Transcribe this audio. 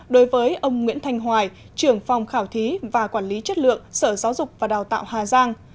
đối với ông nguyễn thanh hoài trưởng phòng khảo thí và quản lý chất lượng sở giáo dục và đào tạo hà giang